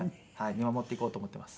見守っていこうと思っています。